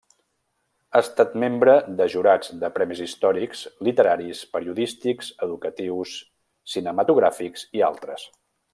Ha estat membre de jurats de premis històrics, literaris, periodístics, educatius, cinematogràfics i altres.